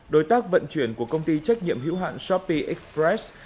đối tác vận chuyển của công ty trách nhiệm hữu hạn shopee express